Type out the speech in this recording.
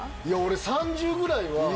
いや俺、３０ぐらいは。